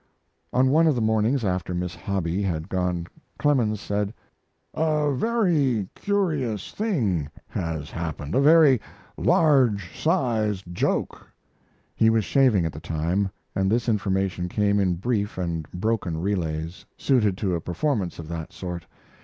On one of the mornings after Miss Hobby had gone Clemens said: "A very curious thing has happened a very large sized joke." He was shaving at the time, and this information came in brief and broken relays, suited to a performance of that sort.